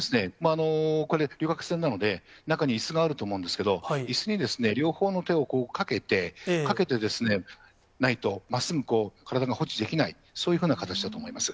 これ、旅客船なので、中にいすがあると思うんですけど、いすに両方の手をかけて、かけてないと、まっすぐ体が保持できない、そういうふうな形だと思います。